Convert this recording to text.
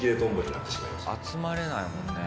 集まれないもんね。